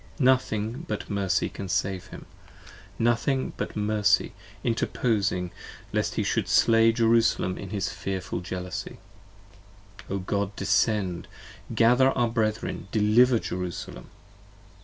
/'Nothing but mercy can save him! nothing but mercy, interposing Lest he should slay Jerusalem in his fearful jealousy. O God, descend! gather our brethren, deliver Jerusalem!